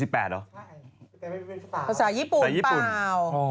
ภาษาญี่ปุ่นป้าว